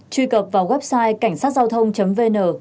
truy cập vào website cảnh sát giao thông vn